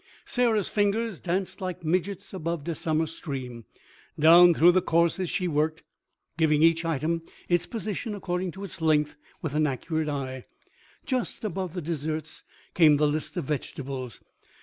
Sarah's fingers danced like midges above a summer stream. Down through the courses she worked, giving each item its position according to its length with an accurate eye. Just above the desserts came the list of vegetables.